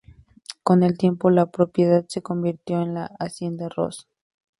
Con el tiempo, la propiedad se convirtió en la Hacienda Ross.